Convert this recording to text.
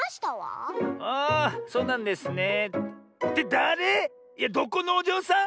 だれ⁉いやどこのおじょうさん？